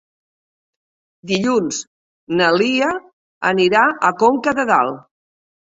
Dilluns na Lia anirà a Conca de Dalt.